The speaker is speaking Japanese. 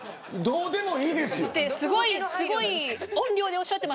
どうでもいいって。